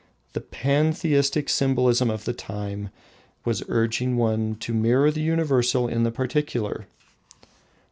The pantheistic symbolism of the time was urging one to mirror the Universal in the Particular.